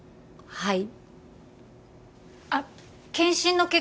はい